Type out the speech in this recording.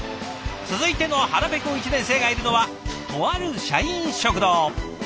続いての腹ぺこ１年生がいるのはとある社員食堂。